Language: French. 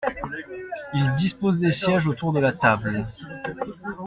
Ils disposent des sièges autour de la table.